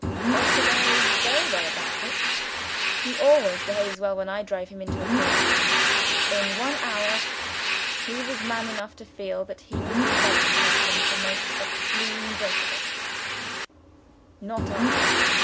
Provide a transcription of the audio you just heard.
Oscar behaved very well about it he always behaves well when I drive him into a corner! In one word, he was man enough to feel that he was the right person to make a clean breast of it not I.